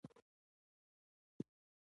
که ګاونډی درد کوي، تا مه درد کړه